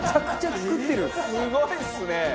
すごいっすね！